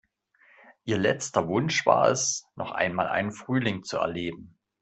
Ihr letzter Wunsch war es, noch einmal einen Frühling zu erleben.